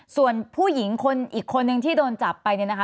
ส่วนผู้หญิงคนอีกคนนึงที่โดนจับไปเนี่ยนะคะ